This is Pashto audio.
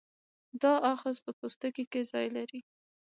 دا آخذه په پوستکي کې ځای لري.